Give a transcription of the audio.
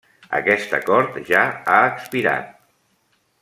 Aquest acord ja ha expirat.